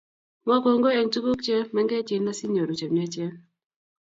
mwaa kongoi eng' tuguk che mengechen asinyoru che miachen